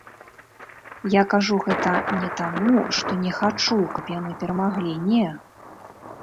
Я кажу гэта не таму, што не хачу, каб яны перамаглі, не.